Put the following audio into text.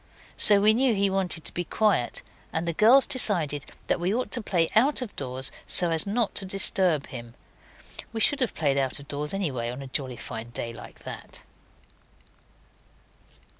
So we knew he wanted to be quiet, and the girls decided that we ought to play out of doors so as not to disturb him; we should have played out of doors anyhow on a jolly fine day like that.